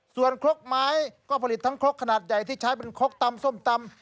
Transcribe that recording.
ส่วนครกไม้ก็ผลิตทั้งครกขนาดใหญ่ที่ใช้เป็นครกตำส้มตำ